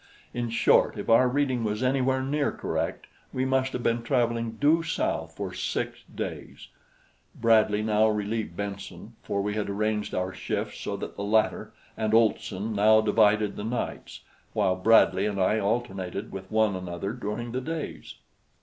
In short, if our reading was anywhere near correct, we must have been traveling due south for six days. Bradley now relieved Benson, for we had arranged our shifts so that the latter and Olson now divided the nights, while Bradley and I alternated with one another during the days.